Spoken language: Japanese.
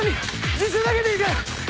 自首だけでいいから。